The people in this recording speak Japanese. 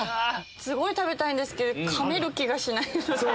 すごい食べたいんですけどかめる気がしないので。